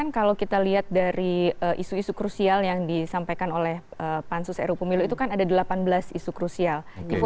kalau kita lihat dari isu isu krusial yang disampaikan oleh pansus ru pemilu itu kan ada delapan belas isu krusial